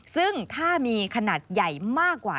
ซึ่งถ้ามีขนาดใหญ่มากกว่า